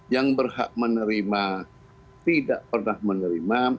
yang berhak menerima tidak pernah menerima